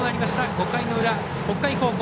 ５回の裏、北海高校。